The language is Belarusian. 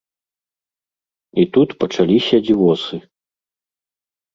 І тут пачаліся дзівосы.